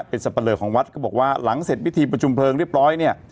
เป็นสับปะเลอของวัดก็บอกว่าหลังเสร็จพิธีประชุมเพลิงเรียบร้อยเนี่ย